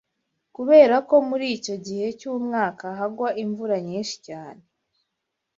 kubera ko muri icyo gihe cy’umwaka hagwa imvura nyinshi cyane